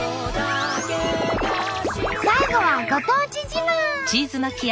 最後はご当地自慢。